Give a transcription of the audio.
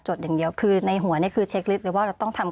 จดอย่างเดียวคือในหัวนี้คือเช็คลิสต์หรือว่าเราต้องทำ